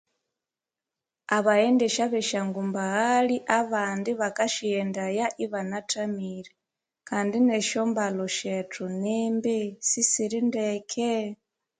Abaghendesha abeshangumbaghali abandi bakasighendaya ibanathamire Kandi neshyombalho shetho nimbi sisiritheke